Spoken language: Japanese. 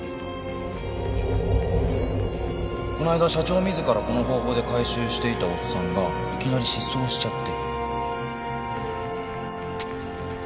こないだ社長自らこの方法で回収していたおっさんがいきなり失踪しちゃって。